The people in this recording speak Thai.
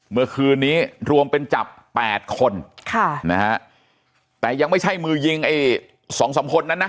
เมื่อคืนนี้รวมเป็นจับ๘คนนะฮะแต่ยังไม่ใช่มือยิงไอ้๒คนนั้นนะ